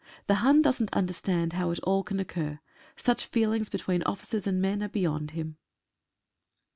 The Hun doesn't understand how it all can occur. Such feelings between officer and men are beyond him.